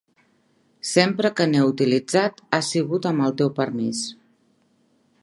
Sempre que n'he utilitzat ha sigut amb el teu permís.